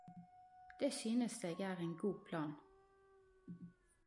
Det synest eg er ein god plan.